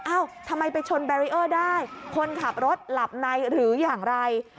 อ้าวทำไมไปชนได้คนขับรถหลับในหรืออย่างไร